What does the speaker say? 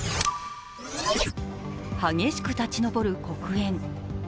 激しく立ち上る黒煙。